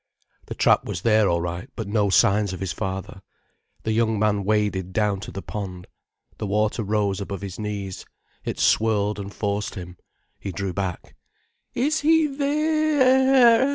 The trap was there all right, but no signs of his father. The young man waded down to the pond. The water rose above his knees, it swirled and forced him. He drew back. "Is he the—e—ere?"